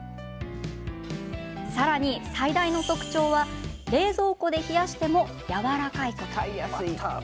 さらに最大の特徴は冷蔵庫で冷やしてもやわらかいこと。